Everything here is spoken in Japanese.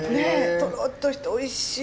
とろっとしておいしい！